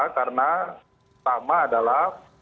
karena pertama adalah